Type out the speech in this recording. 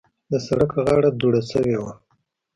د سړک غاړه دوړه شوې وه.